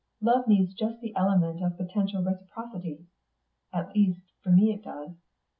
Love needs just the element of potential reciprocity; at least, for me it does.